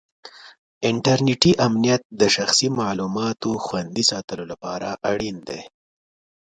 انټرنېټي امنیت د شخصي معلوماتو خوندي ساتلو لپاره اړین دی.